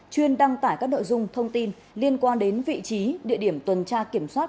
chuyên đăng tải các nội dung thông tin liên quan đến vị trí địa điểm tuần tra kiểm soát